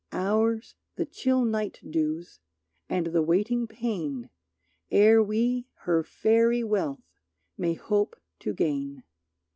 Ours the chill night dews and the waiting pain Ere we her fairy wealth may hope to gain.